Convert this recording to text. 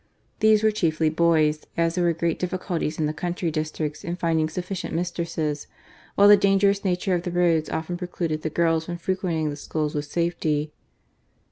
These were chiefly boys, as there were great difliculties in the country districts in finding sufficient mistresses ; while the dangerous nature of the roads often pre cluded the girls from frequenting the schools with safety.